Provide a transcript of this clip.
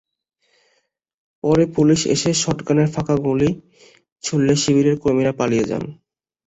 পরে পুলিশ এসে শটগানের ফাঁকা গুলি ছুড়লে শিবিরের কর্মীরা পালিয়ে যান।